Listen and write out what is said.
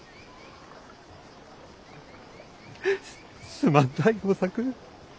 すまんったい吾作。